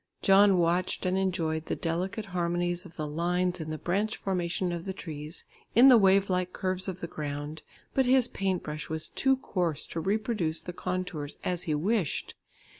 John watched and enjoyed the delicate harmonies of the lines in the branch formation of the trees, in the wave like curves of the ground, but his paint brush was too coarse to reproduce the contours as he wished.